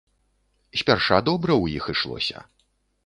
Спярша добра ў іх ішлося.